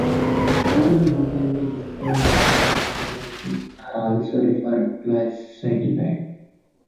People who can be described as having urbanity are also referred to as citified.